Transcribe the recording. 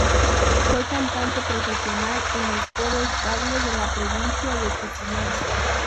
Fue cantante profesional en el Coro Estable de la Provincia de Tucumán.